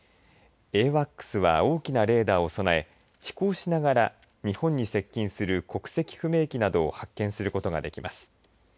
ＡＷＡＣＳは大きなレーダーを備え飛行しながら日本に接近する国籍不明機などを発見することができます。